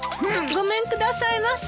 ごめんくださいませ。